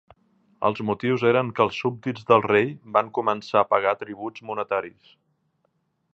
Els motius eren que els súbdits del rei van començar a pagar tributs monetaris.